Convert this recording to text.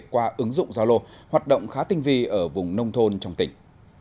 qua ứng dụng giao lô hoạt động khá tinh vi ở vùng nông thôn trong tỉnh